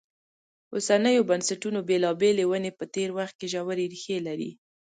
اوسنیو بنسټونو بېلابېلې ونې په تېر وخت کې ژورې ریښې لري.